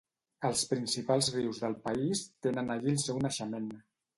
Els principals rius del país tenen allí el seu naixement.